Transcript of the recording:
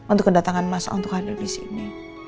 untuk kedatangan masak untuk hadir disini